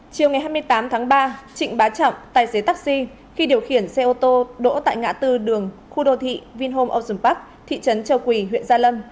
chiều ngày hai mươi tám tháng ba trịnh bá trọng tài xế taxi khi điều khiển xe ô tô đỗ tại ngã tư đường khu đô thị vinhom ocean park thị trấn châu quỳ huyện gia lâm